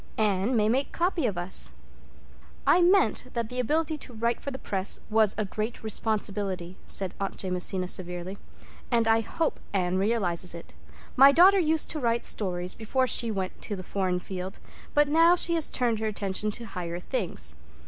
Anne may make copy of us." "I meant that the ability to write for the Press was a great responsibility," said Aunt Jamesina severely, "and I hope Anne realizes, it. My daughter used to write stories before she went to the foreign field, but now she has turned her attention to higher things.